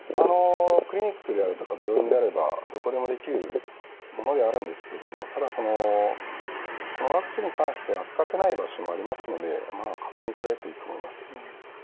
クリニックであるとか病院であればどこでもできるものではあるんですけどもただそのこのワクチンに関して扱ってない場所もありますので確認されるといいと思います。